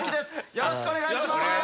よろしくお願いします！